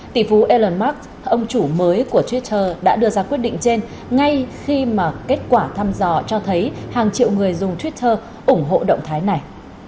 tỷ phú elon mc ông chủ mới của twitter đã đưa ra quyết định trên ngay khi mà kết quả thăm dò cho thấy hàng triệu người dùng twitter ủng hộ động thái này